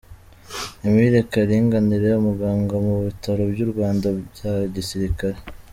Emile Kalinganire, umuganga mu bitaro by’u Rwanda bya gisirikare.